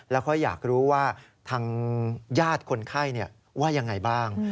แล้วเขาอยากรู้ว่าทางญาติคนไข้ว่ายังไงบ้าง